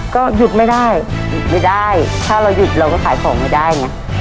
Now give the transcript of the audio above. ก็หยุดไม่ได้หยุดไม่ได้ถ้าเราหยุดเราก็ขายของไม่ได้ไง